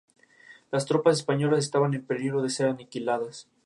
Fue firmante del pacto conseguido con el noble godo Teodomiro.